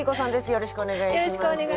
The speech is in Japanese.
よろしくお願いします。